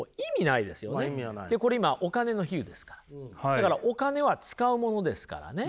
だからお金は使うものですからね。